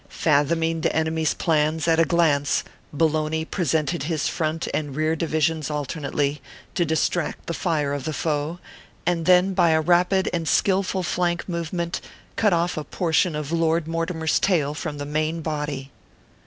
365 Fathoming the enemy s plan at a glance, Bologna presented his front and rear divisions alternately, to distract the fire of the foe ; and then, by a rapid and skillful flank movement, cut off a portion of Lord Mortimer s tail from the main body.